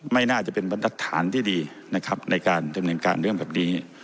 ไม่น่าจะเป็นบรรทัศน์ที่ดีนะครับในการดำเนินการเรื่องแบบนี้